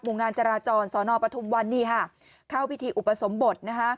หมู่งานจราจรสอนอปฐมวันนี้เข้าพิธีอุปสมบท